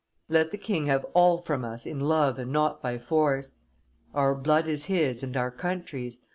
Let the king have all from us in love and not by force; our blood is his and our country's.